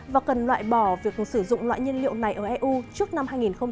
và cần loại bỏ việc sử dụng loại nhiên liệu này ở eu trước năm hai nghìn ba mươi